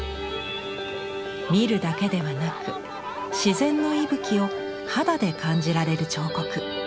見るだけではなく自然の息吹を肌で感じられる彫刻。